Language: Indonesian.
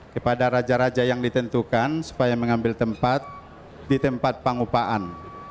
kepada raja raja yang ditentukan supaya mengambil tempat di tempat pengupaan